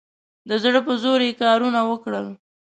د زړه په زور یې کارونه وکړل.